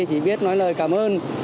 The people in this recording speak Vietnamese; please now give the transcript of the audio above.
chỉ biết nói lời cảm ơn